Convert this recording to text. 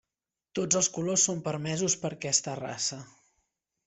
Tots els colors són permesos per aquesta raça.